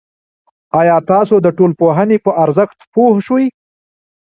آیا تاسو د ټولنپوهنې په ارزښت پوه شوئ؟